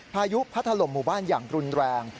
พายุพัดถล่มหมู่บ้านอย่างรุนแรง